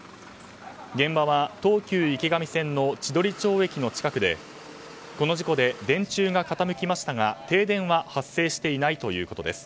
現場は東急池上線の千鳥町駅の近くでこの事故で電柱が傾きましたが停電発生していないということです。